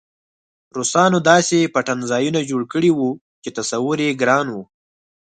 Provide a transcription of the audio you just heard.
روسانو داسې پټنځایونه جوړ کړي وو چې تصور یې ګران و